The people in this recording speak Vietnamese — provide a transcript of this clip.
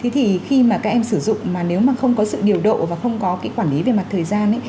thì khi mà các em sử dụng mà nếu mà không có sự điều độ và không có cái quản lý về mặt thời gian ấy